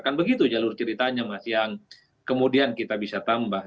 kan begitu jalur ceritanya mas yang kemudian kita bisa tambah